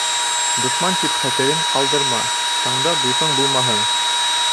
Дошман тип хәтерен ҡалдырма: таңда дуҫың булмаһын.